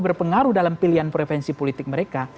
berpengaruh dalam pilihan prevensi politik mereka